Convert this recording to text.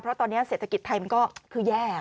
เพราะตอนนี้เศรษฐกิจไทยมันก็คือแย่